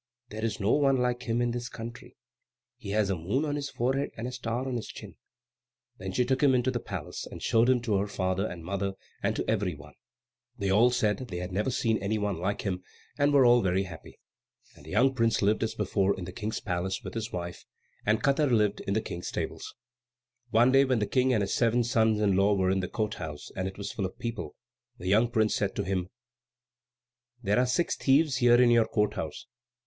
There is no one like him in this country. He has a moon on his forehead and a star on his chin." Then she took him into the palace, and showed him to her father and mother and to every one. They all said they had never seen any one like him, and were all very happy. And the young prince lived as before in the King's palace with his wife, and Katar lived in the King's stables. One day, when the King and his seven sons in law were in his court house, and it was full of people, the young prince said to him, "There are six thieves here in your court house."